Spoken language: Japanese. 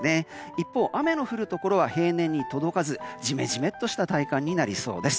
一方、雨の降るところは平年に届かずじめじめとした体感になりそうです。